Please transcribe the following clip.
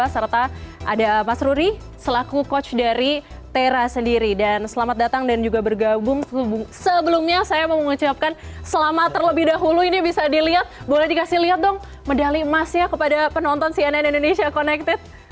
serta ada mas ruri selaku coach dari tera sendiri dan selamat datang dan juga bergabung sebelumnya saya mau mengucapkan selamat terlebih dahulu ini bisa dilihat boleh dikasih lihat dong medali emasnya kepada penonton cnn indonesia connected